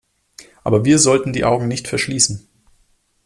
Aber wir sollten die Augen nicht verschließen.